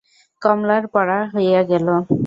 কমলার পড়া হইয়া গেল।